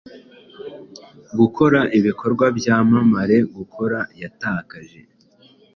Gukora ibikorwa byamamare gukora yatakaje